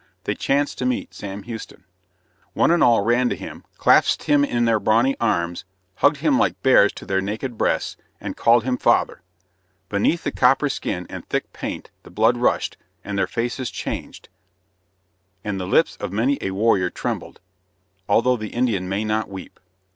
They chanced to meet Sam Houston. One and all ran to him, clasped him in their brawny arms, hugged him like bears to their naked breasts, and called him "father." Beneath the copper skin and thick paint the blood rushed, and their faces changed, and the lips of many a warrior trembled, although the Indian may not weep.